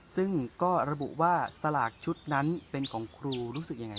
ซึ่งก็ระบุว่าสลากชุดนั้นเป็นของครูรู้สึกยังไง